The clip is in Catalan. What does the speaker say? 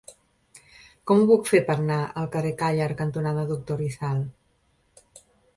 Com ho puc fer per anar al carrer Càller cantonada Doctor Rizal?